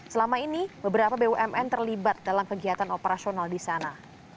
selama ini beberapa bumn terlibat dalam kegiatan operasional di sana